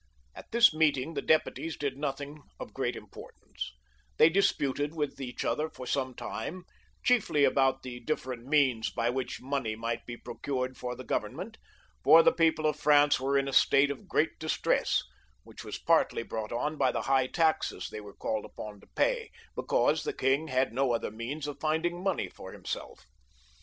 At ^meeting the deputies did nothing of gJ iportance; they disputed with each other for some time, chiefly about the diflferent means by which money might be procured for the Government, for the people of France were in a state of great distress, which was partly brought on by the high taxes they were called upon to pay, because the king had no other means of finding money for himself.